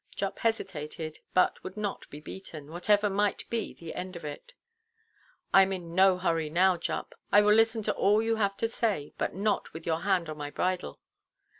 Jupp hesitated, but would not be beaten, whatever might be the end of it. "I am in no hurry now, Jupp; I will listen to all you have to say. But not with your hand on my bridle."